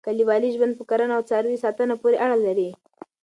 کلیوالي ژوند په کرنه او څاروي ساتنه پورې اړه لري.